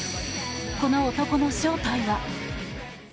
この男の正体は？